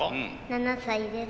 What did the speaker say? ７歳です。